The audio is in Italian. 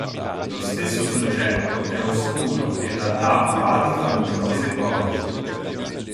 Lo stesso soggetto è oscuro ed ha dato adito a numerose ipotesi.